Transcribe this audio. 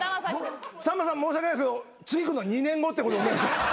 さんまさん申し訳ないですけど次来んの２年後ってことでお願いします。